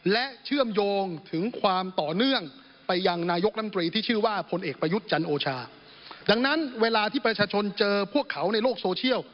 และคือเป็นช่วงเนี่ยเดี๋ยวยาที่ประชาชนเจอพวกเขาในโลกโซเชียล